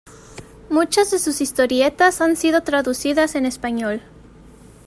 Muchas de sus historietas han sido traducidas en Español.